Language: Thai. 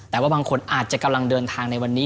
แต่ว่าบางคนอาจจะกำลังเดินทางในวันนี้